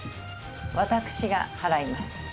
私が払います。